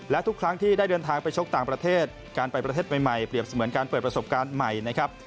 และทุกครั้งที่ได้เดินทางไปชกต่างประเทศการไปประเทศใหม่เปรียบเสมือนการเปิดประสบการณ์ใหม่นะครับ